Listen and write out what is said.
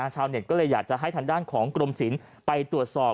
ชาวเน็ตก็เลยอยากจะให้ทางด้านของกรมศิลป์ไปตรวจสอบ